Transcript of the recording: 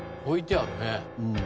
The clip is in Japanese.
置いてあるね。